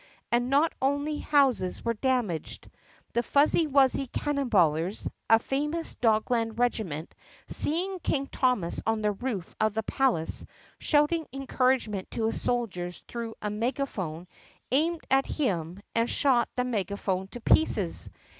And not only houses were damaged. The Fuzzy THE PUSSYCAT PRINCESS 135 wuzzy Cannon bailers, a famous Dogland regiment, seeing King Thomas on the roof of the palace shouting encourage ment to his soldiers through a megaphone, aimed at him and shot the megaphone to pieces.